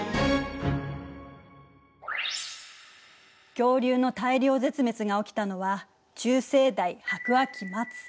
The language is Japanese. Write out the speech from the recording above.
恐竜の大量絶滅が起きたのは中生代白亜紀末。